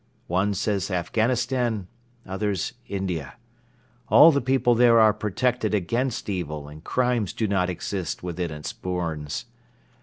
One says Afghanistan, others India. All the people there are protected against Evil and crimes do not exist within its bournes.